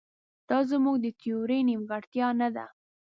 دا زموږ د تیورۍ نیمګړتیا نه ده.